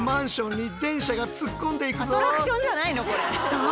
そう！